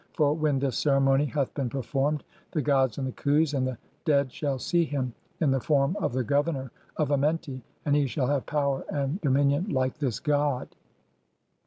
FOR WHEN [THIS CEREMONY HATH BEEN PERFORMED] THE GODS, AND THE KHUS, AND THE DEAD SHALL SEE HIM (32) IN THE FORM OF THE GOVERNOR OF AMENTI, AND HE SHALL HAVE POWER AND DOMINION LIKE THIS GOD.